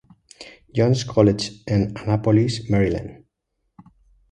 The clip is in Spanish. John's College en Annapolis, Maryland.